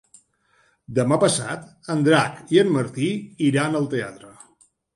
Demà passat en Drac i en Martí iran al teatre.